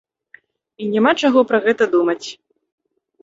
І няма чаго пра гэта думаць.